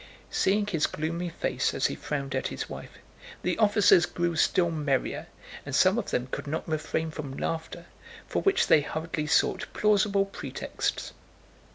Seeing his gloomy face as he frowned at his wife, the officers grew still merrier, and some of them could not refrain from laughter, for which they hurriedly sought plausible pretexts.